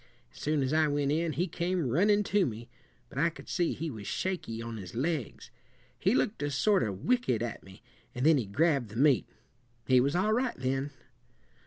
As soon as I went in, he came runnin' to me; but I could see he was shaky on his legs. He looked a sort of wicked at me, and then he grabbed the meat. He was all right then."